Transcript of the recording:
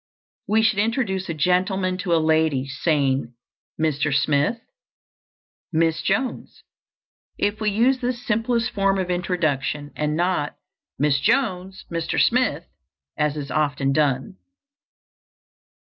We should introduce a gentleman to a lady, saying, "Mr. Smith, Miss Jones," if we use this simplest form of introduction, and not "Miss Jones, Mr. Smith," as is often done.